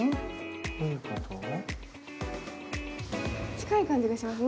近い感じがしますね。